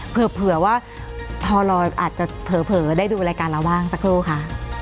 เผื่อว่าทรอาจจะเผลอได้ดูรายการเราบ้างสักครู่ค่ะ